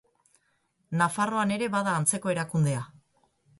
Nafarroan ere bada antzeko erakundea.